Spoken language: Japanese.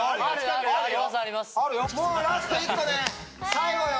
最後よ。